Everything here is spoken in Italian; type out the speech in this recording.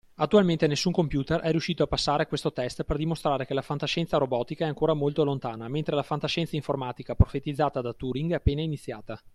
Attualmente nessun computer è riuscito a passare questo test per dimostrare che la fantascienza robotica è ancora molto lontana, mentre la fantascienza informatica profetizzata da Turing è appena iniziata.